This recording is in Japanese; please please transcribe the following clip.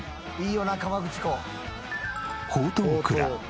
「いいよな河口湖」